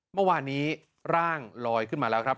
เมื่อวานนี้ร่างลอยขึ้นมาแล้วครับ